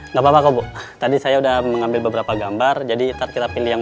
nggak papa papak bu tadi saya udah mengambil beberapa gambar jadi ntar kita pilih yang